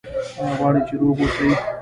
ایا غواړئ چې روغ اوسئ؟